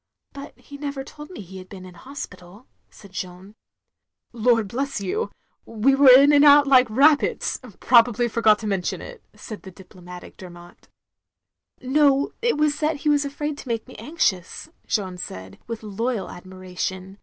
" But he never told me he had been in hospital, " said Jeanne. "Lord bless you— we were in and out like OF GROSVENOR SQUARE 277 rabbits — probably forgot to mention it," said the diplomatic Dermot. "No — ^it was that he was afraid to make me anxious," Jeanne said, with loyal admiration.